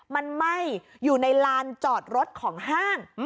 มันไหม้อยู่ในลานจอดรถของห้าง